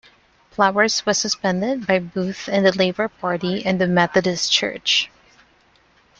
Flowers was suspended by both the Labour Party and the Methodist Church.